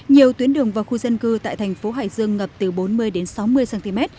nhiều tuyến đường và khu dân cư tại thành phố hải dương ngập từ bốn mươi đến sáu mươi cm